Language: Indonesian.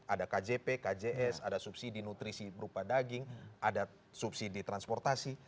ada kjp kjs ada subsidi nutrisi berupa daging ada subsidi transportasi